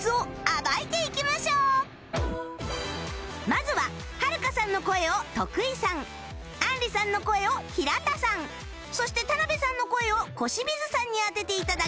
まずははるかさんの声を徳井さんあんりさんの声を平田さんそして田辺さんの声を小清水さんにあてて頂きます